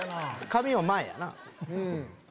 髪を前やな。